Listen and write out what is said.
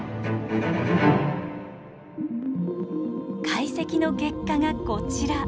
解析の結果がこちら。